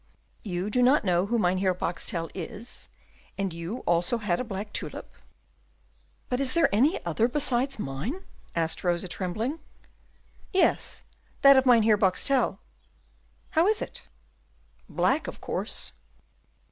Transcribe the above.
"You do not know who Mynheer Boxtel is, and you also had a black tulip?" "But is there any other besides mine?" asked Rosa, trembling. "Yes, that of Mynheer Boxtel." "How is it?" "Black, of course."